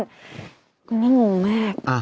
ก็ไม่งงมาก